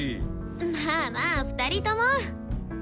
まあまあ２人とも。